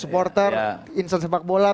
supporter insan sempak bola